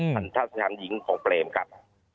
หันทัศน์หันหญิงของเฟรมครับ